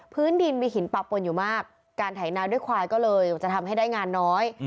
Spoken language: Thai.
พื้นดินมีหินปะปนอยู่มากการไถนาวด้วยควายก็เลยจะทำให้ได้งานน้อย